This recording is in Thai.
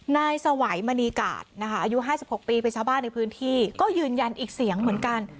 นายสวัยมณีกาศนะคะอายุ๕๖ปีเป็นชาวบ้านในพื้นที่ก็ยืนยันอีกเสียงเหมือนกัน